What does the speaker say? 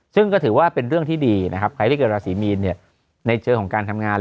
ซึ่งก็ถือว่าเป็นเรื่องที่ดีนะครับใครที่เกิดราศีมีนในเชิงของการทำงาน